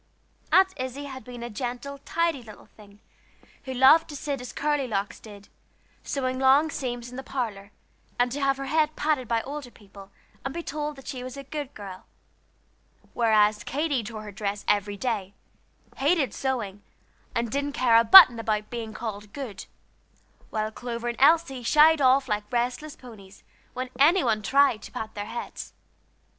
Aunt Izzie had been a gentle, tidy little thing, who loved to sit as Curly Locks did, sewing long seams in the parlor, and to have her head patted by older people, and be told that she was a good girl; whereas Katy tore her dress every day, hated sewing, and didn't care a button about being called "good," while Clover and Elsie shied off like restless ponies when any one tried to pat their heads.